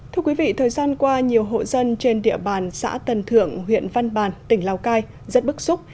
thưa quý vị thời gian qua nhiều hộ dân trên địa bàn xã tần thượng huyện văn bàn tỉnh lào cai rất bức xúc